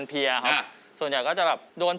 เฮ้ยอย่าลืมฟังเพลงผมอาจารย์นะ